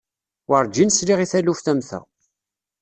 Werǧin sliɣ i taluft am ta.